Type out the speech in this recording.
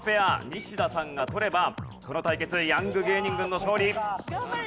ニシダさんが取ればこの対決ヤング芸人軍の勝利。